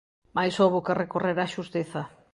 Mais houbo que recorrer á xustiza.